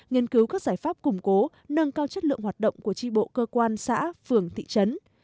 nghiên cứu các giải pháp củng cố nâng cao chất lượng hoạt động của tri bộ cơ quan xã phường thị trấn